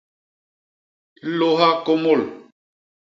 Lôha kômôl.